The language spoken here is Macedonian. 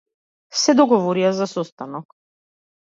Се договорија за состанок.